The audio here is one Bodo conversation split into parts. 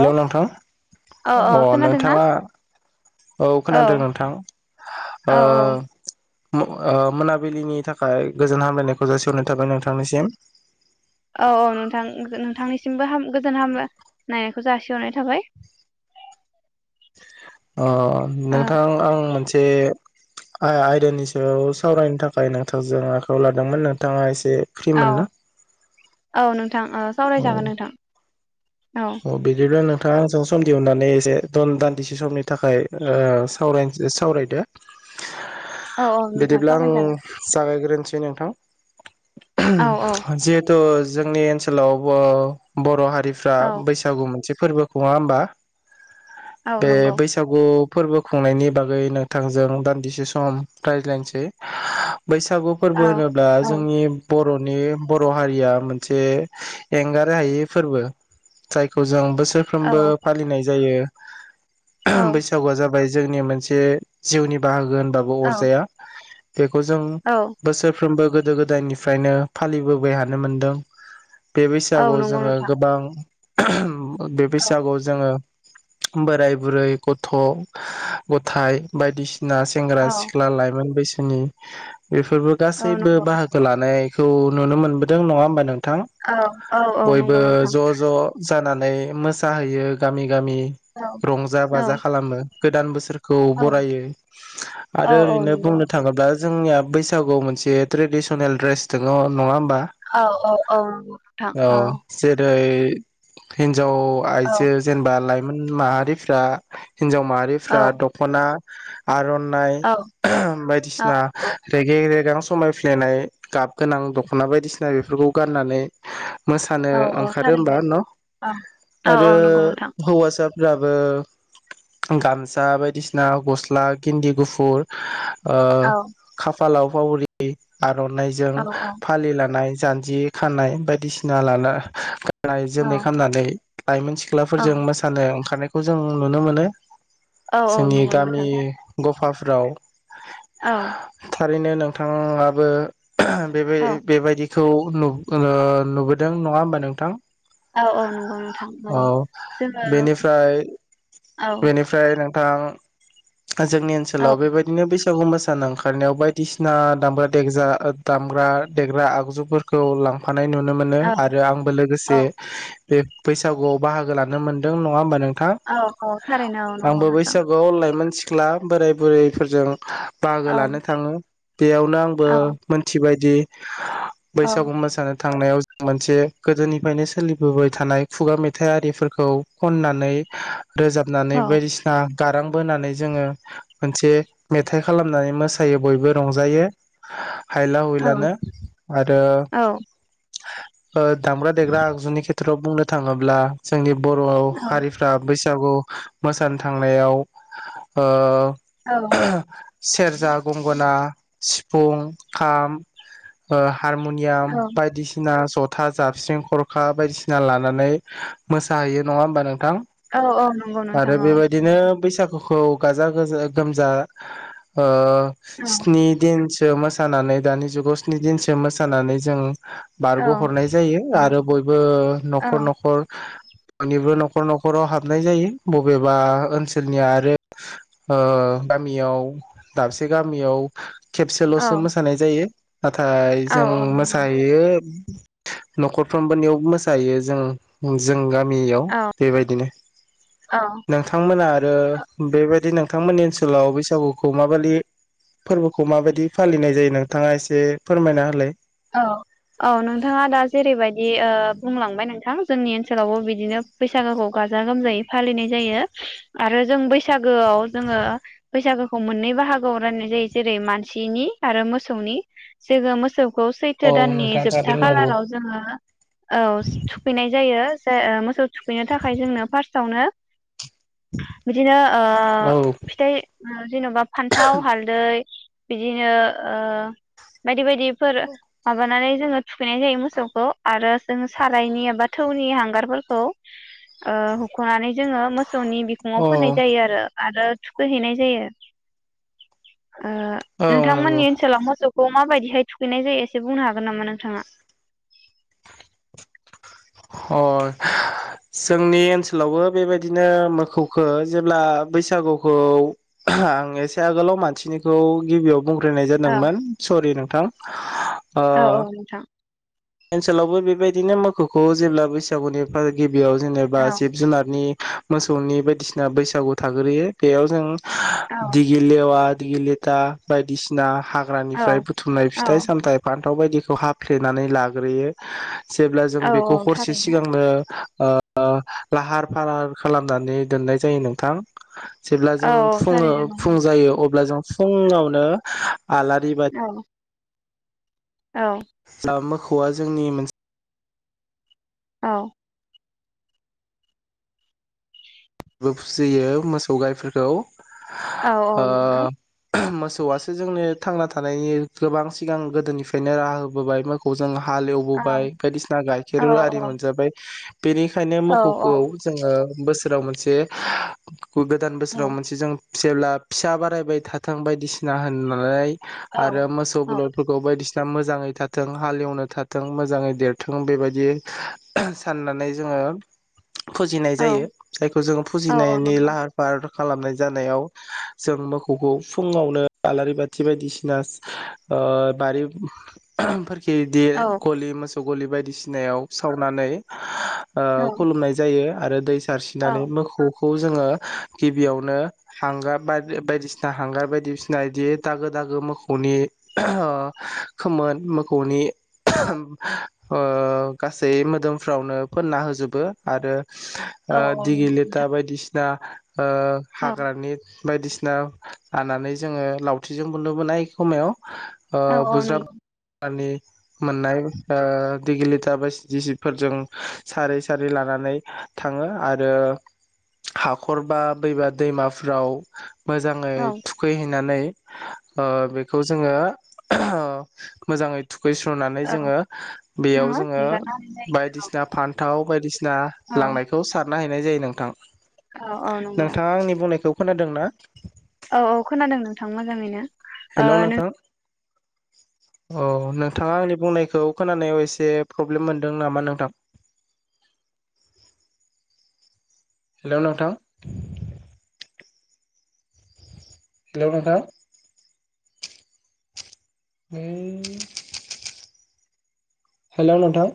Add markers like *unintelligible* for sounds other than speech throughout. औ नोंथां औ अ खोनादोंना नोंथाङा औ औ खोनादों नोंथां औ ओ मो ओ मोनाबिलिनि थाखाय गोजोन हामलायनायखौ जासिहरनाय थाबाय नोंथांनिसिम औ औ नोंथां नोंथांनिसिमबो हाम गोजोन हामलाय नायखौ जासिहरनाय थाबाय अ ओ नोंथां आं मोनसे से आय आयदानि सायाव सावरायनो थाखाय नोंथां जों आखायाव लादोंमोन नोंथाङा एसे औ फ्रिमोन ना औ नो नोंथां ओ सावरायजागोन नोंथां औ अ बदिब्ला नों थाङा आंजों सम दिहुननानै एसे दन दान्दिसे समनि थाखाय ओ सावरायदो औ औ *unintelligible* नोंथां बिदिब्ला आं सावरायजागोन जागायग्रोन सै नोंथां औ *unintelligible* जिहेतु जोंनि ओनसोलाव बो बर हारि रिफ्रा औ बैसागु मोनसे फोरबो खुंङा होमबा औ बे नंगौ बैसागु फोरबो खुंनायनि बागै नोंथांजों दान्दिसे सम रायज्लायनोसै बैसागु फोरबो औ होनोब्ला औ जोंनि बर नि बर हारिया मोनसे एंगार हायि फोरबो जायखौ जों बोसोरफ्रोमबो फालिनाय जायो औ *unintelligible* बैसागुआ जाबाय बाय जोंनि मोनसे जिउनि बाहागोन बाबो औ अर जाया बेखौ जों औ बोसोरफ्रोमबो गो गोदो गोदायनिफ्रायनो फालिबोबाय थानो मोनदों बे औ बैसागुआव नंगौ जोङो नोंथां गोबां *unintelligible* बे बैसागुआव जोङो बोराय बुरै गथ गथाइ बायदिसि ना सेंग्रा औ सिख्ला लाइमोन बैसो जोंनि बेफोरबो औ गासैबो नंगौ बाहागो लानाय खौ नुनो मोनबोदों नङा होमबा नों औ औ औ नंगौ नोंथां जानानै‌ मोसाहैयो गामि गामि औ रंजा औ बाजा खालामो गोदान बोसोर खौ औ बरायो औ आरो औ ओरैनो नंगौ बुंनो थाङोब्ला जोंनि बैसागुआव मोनसे ट्रेडिसनेल ड्रेस दङ नङा होम औ औ औ नंगौ नोंथां औ बो *unintelligible* हिन्जाव औ आइजो जेनेबा लाइ माहारिफ्रा हिन्जाव माहारिफ्रा दखना आरनाय औ बायदिसिना नंगौ रेगे रैगां समाय फ्लायनाय गाब गोनां दखना बायदिसिना बेफोरखौ गाननानै मोसानो औ औ ओंखारो होमबा थारैनो न औ औ औ आरो नंगौ नोंथां होवासा साफोराबो गामसा बायदिसिना गस्ला गिन्दि गुफुर ओ औ खाफालाव फावरि आरनाइजों औ फालि लानाय जान्जि खानाय बायदिसिना लाना गा नाय औ जोमनायख ओइ लाइमोन औ सिख्लाफोरजों मोसानो ओंखारनाय खौ जों नुनो मोनो औ औ जोंनि नंगौ नोंथां गामि ग फा फ्राव औ रैनो नोंथाङाबो आहा बेबाय बेबायदि थौ लुब ओ लुबोदों नङा होमबा नोंथां? औ औ नंगौ नोंथां औ नोंगौ। जोङो बेनिफ्राय औ बेनिफ्राय नों *unintelligible* जोंनि औ ओनसोलाव बेबायदिनो बै सागु मोसानो ओंखारनायाव बायदिसिना दामग्रा देगजा दामग्रा देग्रा आगजुफोरखौ लांफा नाय नुनो मोनो औ आरो आंबो औ लोगोसे बे बैसागुआव बाहागो लानो मोनदों नङा होमबा नों औ औ। थारैनो नंगौ नोंथां। बैसागुआव लाइमोन सिख्ला बोराइ बुरैफोरजों औ बाहागो लानो थाङो, बेयावनो आंबो औ मोनथिबाय दि औ औ बैसागु मोसानो थांनायाव मोनसे गोदोनिफ्रायनो सोलिबोबाय थानाय खुगा मेथाइ आरिफोखौ खननानै रोजाबनानै बायदिसिना गारां बोनानै जोङो मोनसे मेथाइ खालामनानै मोसायो बयबो रंजायो। हायला औ हुयलानो आरो औ *inaudible* ओ दाम्रा देग्रा आगजुनि खेथ्रआव बुंनो थाङोब्ला जोंनि बर' हारिफ्रा बैस सागु मोसानो थांनायाव ओ औ *inaudible* सेरजा, गंगोना, सिफुं, खाम ओ हारमुनियाम बायदिसिना सथ था जाबस्रिं खरखा बायदिसिना लानानै मोसाहैयो नङा होमबा नोंथां? औ औ नंगौ नोंथां औ। गुखौ गाजा गोजा गोमजा ओ औ स्नि दिनसो मास सानानै दानि जुगाव स्नि दिनसो मोसानानै जों औ बारग' हरनाय जायो आरो बो औ नखर नखर बयनिबो नखर नख खराव हाबनाय जायो बबेबा ओनसोलनिआ आरो ओ गामियाव दाबसे गामियाव खेबसेलसो मोसानाय जायो। नाथाय जों औ नंगौ मोसाहैयो नखरफ्रोमबो नेयाव मोसाहायो जों जों गाम मियाव बेबायदिनो औ नोंथांमोन आरो औ बेबायदि नोंथांमोननि ओनसोलाव बैसागुखौ माबादि फोरबोखौ माबायदि फालिनाय जायो नोंथाङा एसे फोरमायना होलाय औ औ नोंथाङा दा जेरैबायदि ओ बुंलांबाय नोंथां जोंनि ओनसोलावबो बिदिनो बैसागोखौ गाजा गोमजायै फालिनाय जायो आरो जों बैसागोआव जोङो बैसागोखौ मोननै बाहागोआव राननाय जायो जेरै मानसिनि आरो मोसौनि। जोङो मोसौ खौ औ सैथो दाननि नोंथाङा जोबथा थारैनो नंगौ खालाराव जोङो ओ थुखैनाय जायो। *unintelligible* मोसौ थुखैनो थाखाय जोंनो फार्स्टआवनो बिदिनो ओ औ फिथाइ ओ जेनबा फान्थाव हालदै बिदिनो ओ बायदि बायदि फोर माबानानै जोङो थुखैनाय जायो मोसौखौ आरो जों सारायनि एबा थौनि हांगारफोरखौ ओ हखनानै जोङो मोसौनि बिखुङाव औ फोननाय जायो आरो आरो थुखैहैनाय जायो। ओ औ नंगौ नोंथांमोननि ओनसोलाव मोसौ खौ बायदिहाय थुखैनाय जायो एसे बुंनो हागोन नामा नोंथाङा? अ जोंनि ओनसोलावबो बेबायदिनो मोखौखो जेब्ला बैसागुखौ आं एसे आगोलाव मानसिनिखौ गिबियाव बुंग्रोनाय औ जादोंमोन सरि नों थां औ औ नोंथां। ओनसोलावबो बेबायदिनो मोखौखौ जेब्ला बैसागुनिफार गिबि याव जेनेबा औ जिब जुनारनि मोसौनि बायदिसिना बैसागु थाग्रोयो बेयाव जों औ दिगिलेवाद दिगि लेथा बायदिसिना औ हाग्रानिफ्राय बुथुमनाय औ फिथाइ सामथाइ फान, फ्राव बायदिखौ हाफ्लेनानै ला ग्रोयो जेब्ला जों औ बेखौ औ हरसे थारैनो सिगांनो, ओ ओ लाहार फाहार खालामनानै दोननाय जायो नोंथां, जेब्ला औ जों औ फुङो थारैनो फुं जायो अब्ला जों, फुङावनो, आलारि बाद नंगौ औ जामबाखौ औवा जोंनि मोनस औ बो फुजियो मोसौ गामिफोराव, औ औ नंगौ, खौआसो जोंनि थांना थानायनि गोबां सिगां गोदोनिफ्रायनो राहा होबोबाय आइमोखौ जों औ हालेवबोबाय बायदिसिना औ गाइखेर आरि मोनजाबाय, बेनिखायनो औ मोखौखौ जोङो, बोसोराव मोन से, औ गोदान बोसोराव मोनसे जों, जेब्ला फिसा बारायबाय थाथों बायदिसिना होननानै, औ आरो मोसौ बलदफोरखौ बायदिसि दा मोजाङै थाथों हालेवनो थाथों मोजाङै देरथों बेबायदि साननानै जोङो, फुजिनाय औ जायो। जायखौ जों औ औ फुजिनायनि नंगौ लाहार फाहार, खालामनाय जानायाव जों मोखौखौ फुङावनो आलारि बाथि बायदिसिना सा ओ बारि फोर, खिददिर औ गलि मोसौ गलि बायदि खिनायाव सावनानै ओ खुलुमनाय जायो आरो दैसा औ औ होनानै मोखौ, खौ जोङो गिबियावनो हांगार बा बायदिसिना हांगार बायदिसिना इदि दागो दागो मोखौनि खोमोन मोखौनि, *inaudible* अ गासै मोदोमफ्रावनो फोनना होजोबो आरो औ ओ औ दिगि नंगौ नोंथां लेथा बायदिसि ना ओ औ हाग्रानि बायदिसिना हानानै जोङो लावथिजों *unintelligible* इ‌ खोमायाव ओ औ औ बुज्राब नंगौ आनि मोननाय ओ दिगिलिता बाय सि डि सि फोरजों सारै सारै लानानै थाङो आ रो हाखर बा बैबा दैमाफोराव मोजाङै औ थुखैहैनानै ओ बेखौ जोङो *unintelligible* मोजाङै थु खैस्रनानै औ जोङो बेयाव जोङो हेगारनानै जायो बायदिसिना फान्थाव बायदिसि ना औ लांनायखौ नाहैनाय जायो नोंथां औ औ नंगौ नोंथाङा आंनि बुंनायखौ खोनादों ना? औ औ खोनादों नोंथां मोजाङैनो। ओ हेलौ नों नोंथां औ नोंथाङा आंनि बुंनायखौ खोनानायाव एसे प्रब्लेम मोनदों नामा नोंथां? हेलौ नोंथां हेलौ नोंथां *unintelligible* हेलौ नोंथां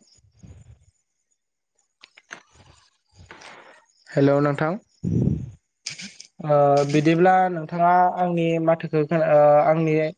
हेल नोंथां। ओ बिदिब्ला नोंथाङा आंनि माथोखो खोना‌ ओ आंनि